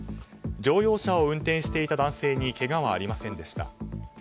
乗用車を運転していた男性にけがはありませんでした。